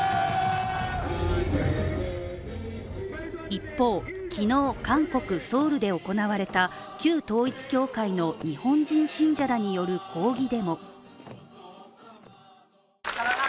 一方、昨日、韓国・ソウルで行われた旧統一教会の日本人信者らによる抗議デモ。